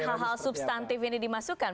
hal hal substantif ini dimasukkan